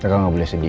kakak gak boleh sedih